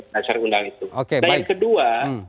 dan yang kedua